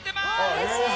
うれしい！